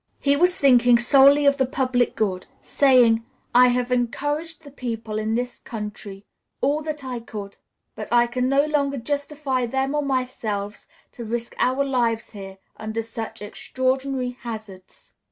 He was thinking solely of the public good, saying, "I have encouraged the people in this country all that I could, but I can no longer justify them or myself to risk our lives here under such extraordinary hazards."